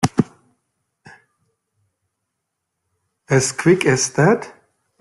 As quick as that?